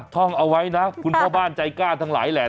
ท่องเอาไว้นะคุณพ่อบ้านใจกล้าทั้งหลายแหละ